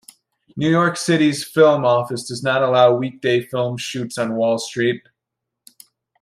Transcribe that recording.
New York City's film office does not allow weekday film shoots on Wall Street.